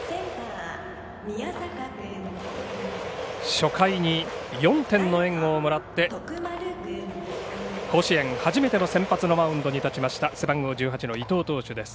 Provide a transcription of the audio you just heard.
初回に４点の援護をもらって甲子園初めての先発のマウンドに立ちました、背番号１８の伊藤投手です。